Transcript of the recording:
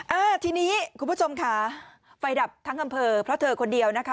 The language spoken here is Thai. อ่าทีนี้คุณผู้ชมค่ะไฟดับทั้งอำเภอเพราะเธอคนเดียวนะคะ